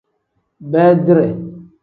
Beedire.